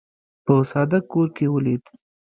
په ساده کور کې ولید.